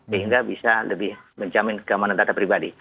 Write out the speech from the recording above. sehingga bisa lebih menjamin keamanan data pribadi